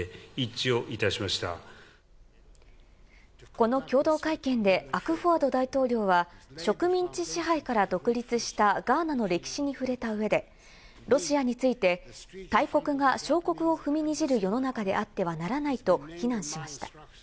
この共同会見でアクフォアド大統領は植民地支配から独立したガーナの歴史に触れた上で、ロシアについて大国が小国を踏みにじる世の中であってはならないと非難しました。